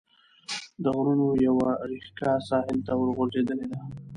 د غرونو یوه ريښکه ساحل ته ورغځېدلې ده.